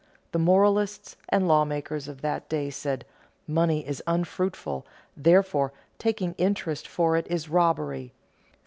The moralists and lawmakers of that day said: Money is unfruitful, therefore taking interest for it is robbery.